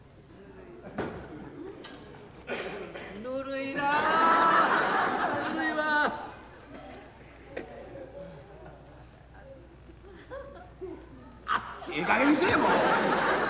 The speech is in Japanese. いいかげんにせえよもう！